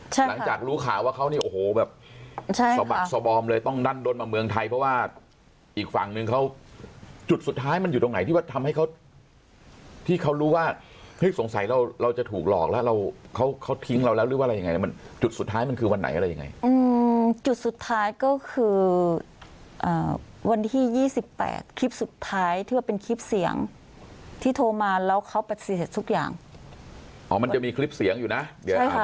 ใช่ค่ะหลังจากรู้ข่าวว่าเขานี่โอ้โหแบบใช่ค่ะสบอมเลยต้องด้านโดนมาเมืองไทยเพราะว่าอีกฝั่งนึงเขาจุดสุดท้ายมันอยู่ตรงไหนที่ว่าทำให้เขาที่เขารู้ว่าไม่สงสัยเราเราจะถูกหลอกแล้วเราเขาเขาทิ้งเราแล้วหรือว่าอะไรยังไงมันจุดสุดท้ายมันคือวันไหนอะไรยังไงอืมจุดสุดท้ายก็คืออ่าวันที่ยี่สิบแปด